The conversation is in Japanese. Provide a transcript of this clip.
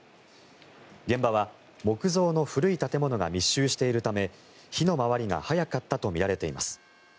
現場は木造の古い建物が密集しているため火の回りが早かったとみられています。